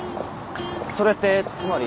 それってつまり。